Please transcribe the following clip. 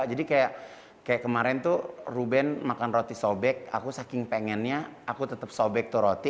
jadi kayak kemarin tuh ruben makan roti sobek aku saking pengennya aku tetap sobek tuh roti